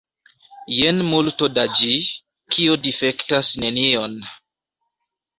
Jen multo da ĝi, kio difektas nenion.